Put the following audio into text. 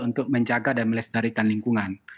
untuk menjaga dan melestarikan lingkungan